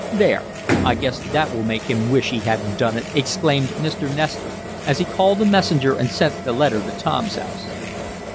"There! I guess that will make him wish he hadn't done it!" exclaimed Mr. Nestor, as he called a messenger and sent the letter to Tom's house.